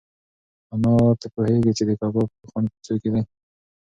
ایا ته پوهېږې چې د کباب خوند په څه کې دی؟